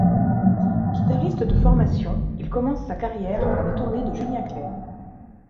Guitariste de formation, il commence sa carrière par les tournées de Julien Clerc.